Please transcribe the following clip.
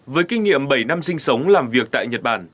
với kinh nghiệm bảy năm sinh sống làm việc tại nhật bản